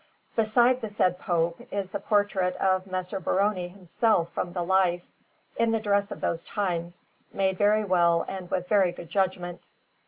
Beside the said Pope is the portrait of Messer Barone himself from the life, in the dress of those times, made very well and with very good judgment.